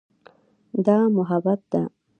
دا محبت ده.